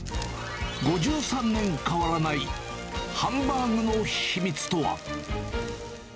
５３年変わらない、ハンバーグの秘密とは。